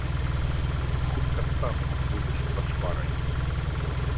Хутка сам будзеш пачварай.